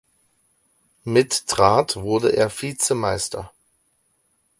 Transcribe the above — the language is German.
Mit Trat wurde er Vizemeister.